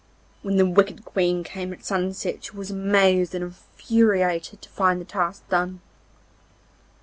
When the wicked Queen came at sunset she was amazed and infuriated to find the task done.